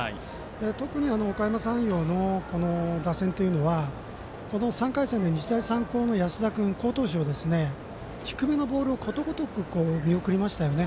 特におかやま山陽のこの打線というのは３回戦で日大三高の安田君好投手を、低めのボールをことごとく見送りましたよね。